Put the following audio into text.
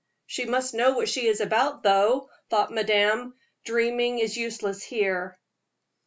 "She must know what she is about, though," thought madame. "Dreaming is useless here."